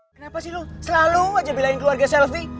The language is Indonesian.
kenapa sih lo selalu aja belain keluarga selfie